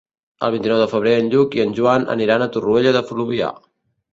El vint-i-nou de febrer en Lluc i en Joan aniran a Torroella de Fluvià.